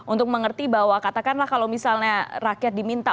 untuk mengerti bahwa katakanlah kalau misalnya rakyat diminta